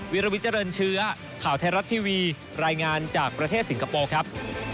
วิลวิเจริญเชื้อข่าวไทยรัฐทีวีรายงานจากประเทศสิงคโปร์ครับ